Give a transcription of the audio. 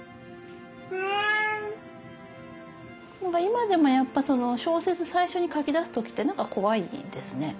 だから今でもやっぱ小説最初に書きだす時って何か怖いですね。